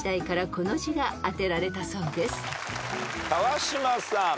川島さん。